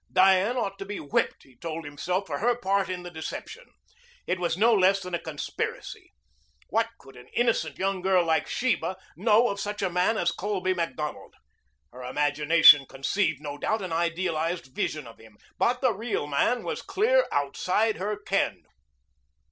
Diane ought to be whipped, he told himself, for her part in the deception. It was no less than a conspiracy. What could an innocent young girl like Sheba know of such a man as Colby Macdonald? Her imagination conceived, no doubt, an idealized vision of him. But the real man was clear outside her ken.